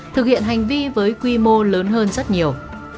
thực hiện hành vi với quy mô lớn hơn rất nhiều